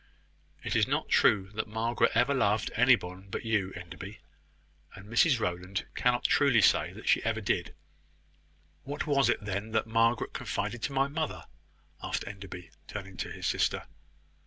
It is not true that Margaret ever loved any one but you, Enderby; and Mrs Rowland cannot truly say that she ever did." "What was it then that Margaret confided to my mother?" asked Enderby, turning to his sister.